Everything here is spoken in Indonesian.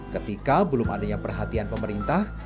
ketika belum adanya perhatian pemerintah